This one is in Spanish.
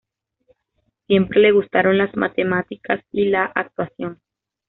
Siempre le gustaron las matemáticas y la actuación.